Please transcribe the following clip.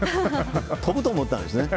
飛ぶと思ったんでしょうね。